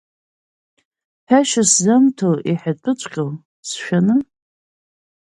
Ҳәашьа сзамҭо иҳәатәыҵәҟьоу, сшәаны?